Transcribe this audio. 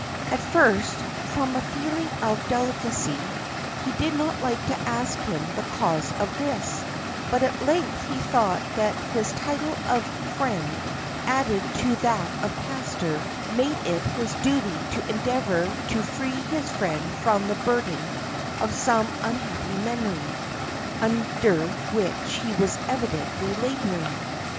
At first, from a feeling of delicacy, he did not like to ask him the cause of this; but at length he thought that his title of friend added to that of pastor made it his duty to endeavour to free his friend from the burden of some unhappy memory, under which he was evidently labouring.